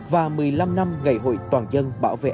và một mươi năm năm ngày hội toàn dân bảo vệ